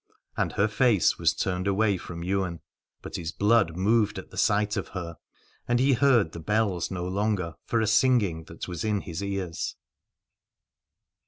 And her face was turned away from Ywain : but his blood moved at the sight of her, and he heard the bells no longer for a singing that was in his ears.